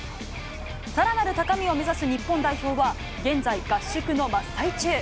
さらなる高みを目指す日本代表は、現在、合宿の真っ最中。